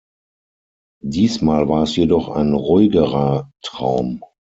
Diesmal war es jedoch ein ruhigerer Traum.